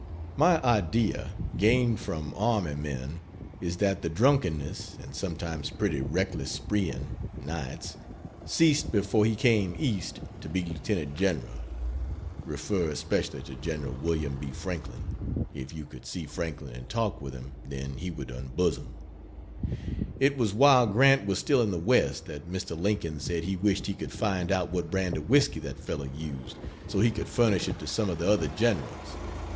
........................... My idea gained from army men, is that the drunkenness (and sometimes pretty reckless spreeing, nights,) ceased before he came East to be Lt. General. (Refer especially to Gen. Wm. B. Franklin [If you could see Franklin and talk with him then he would unbosom,]) It was while Grant was still in the West that Mr. Lincoln said he wished he could find out what brand of whisky that fellow used, so he could furnish it to some of the other generals.